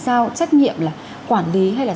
sao trách nhiệm là quản lý hay là